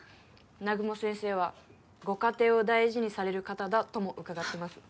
「南雲先生はご家庭を大事にされる方だ」とも伺ってます